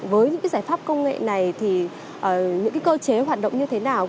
với những cái giải pháp công nghệ này thì những cái cơ chế hoạt động như thế nào